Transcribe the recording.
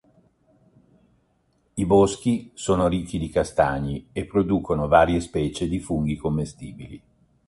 I boschi sono ricchi di castagni e producono varie specie di funghi commestibili.